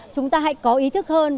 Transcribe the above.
chúng ta hãy có ý thức hơn